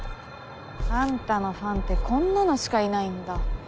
あんたのファンってこんなのしかいないんだ。